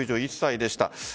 ９１歳でした。